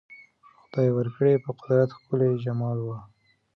خدای ورکړی په قدرت ښکلی جمال وو